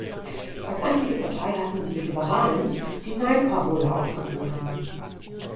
Als einzige Partei hatten die Liberalen die Nein-Parole ausgerufen.